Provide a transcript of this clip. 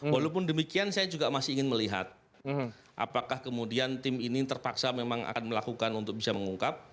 walaupun demikian saya juga masih ingin melihat apakah kemudian tim ini terpaksa memang akan melakukan untuk bisa mengungkap